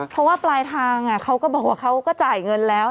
เพราะว่าปลายทางเขาก็บอกว่าเขาก็จ่ายเงินแล้ว